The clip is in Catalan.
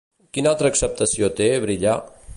Quina altra accepció té "brillar"?